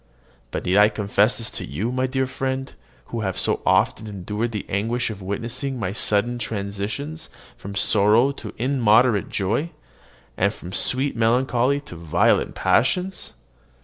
But need I confess this to you, my dear friend, who have so often endured the anguish of witnessing my sudden transitions from sorrow to immoderate joy, and from sweet melancholy to violent passions?